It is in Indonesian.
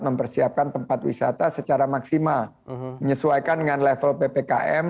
mempersiapkan tempat wisata secara maksimal menyesuaikan dengan level ppkm